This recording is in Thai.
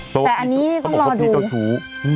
แต่อันนี้นี่ต้องรอดู